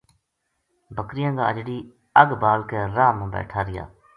بکریاں کا اَجڑی اَگ بال کے راہ ما بیٹھا رہیا